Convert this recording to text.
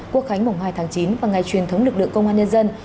quốc khánh mùng hai tháng chín và ngày truyền thống lực lượng công an nhân dân